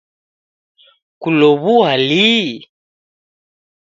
Kulow'ua lihi?